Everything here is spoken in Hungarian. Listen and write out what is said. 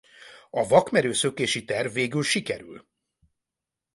A vakmerő szökési terv végül sikerül.